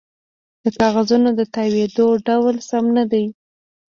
د کاغذونو د تاویدو ډول سم نه دی